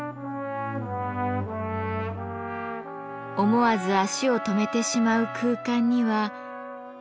思わず足を止めてしまう空間には。